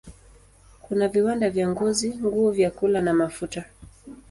Kuna viwanda vya ngozi, nguo, vyakula na mafuta.